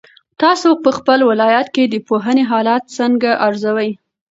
تاسو په خپل ولایت کې د پوهنې حالت څنګه ارزوئ؟